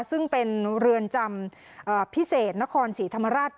ซึ่งเป็นเรือนจำพิเศษนครศรีธรรมราช